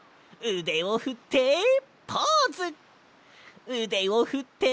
うでをふってポーズ！